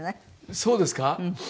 そうですか？